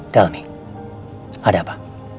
tell me ada apa